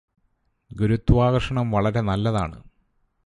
ഗുരുത്വാകര്ഷണം വളരെ നല്ലതാണ്